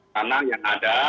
tanah yang ada